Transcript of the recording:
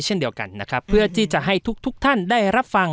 เช่นเดียวกันนะครับเพื่อที่จะให้ทุกทุกท่านได้รับฟัง